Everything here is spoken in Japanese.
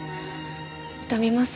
痛みます？